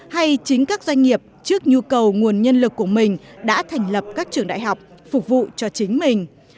hay chính các doanh nghiệp trước nhu cầu nguồn nhân lực của mình đã thành lập các trường đại học phục vụ cho chính mình